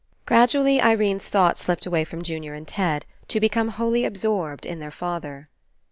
Gradually Irene's thought slipped away from Junior and Ted, to become wholly ab sorbed in their father.